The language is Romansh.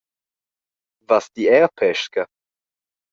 Vas ti era a pesca?